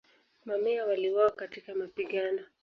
Mamia waliuawa katika mapigano.